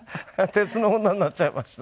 鉄の女になっちゃいました。